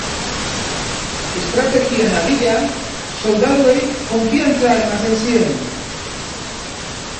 Estrategian abila, soldaduei konfiantza ematen zien.